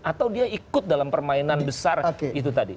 atau dia ikut dalam permainan besar itu tadi